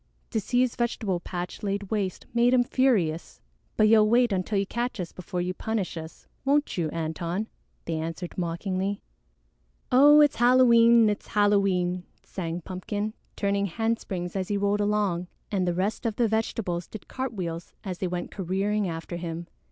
To see his vegetable patch laid waste made him furious. "But you'll wait until you catch us before you punish us, won't you, Antone?" they answered mockingly. "Oh, it's Halloween! It's Halloween!" sang Pumpkin, turning handsprings as he rolled along, and the rest of the vegetables did cartwheels as they went careering after him.